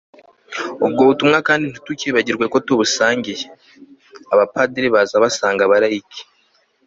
ubwo butumwa kandi ntitukibagirwe ko tubusangiye. abapadiri baza basanga abalayiki